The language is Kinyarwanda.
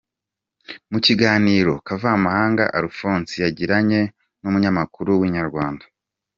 Mu kiganiro Kavamahanga Alphonse yagiranye n’umunyamakuru w’Inyarwanda.